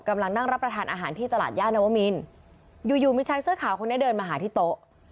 กำลังนั่งรับประทานอาหารที่ตลาดย่านวมินอยู่อยู่มีชายเสื้อขาวคนนี้เดินมาหาที่โต๊ะ